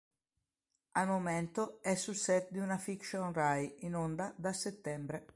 Al momento è sul set di una fiction Rai, in onda da settembre.